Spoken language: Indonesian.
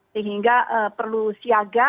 sehingga perlu siaga